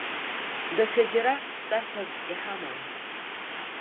Даҽаџьара тәарҭас иҳаман.